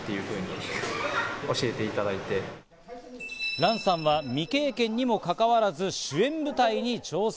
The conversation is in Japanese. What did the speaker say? ＲＡＮさんは未経験にもかかわらず主演舞台に挑戦。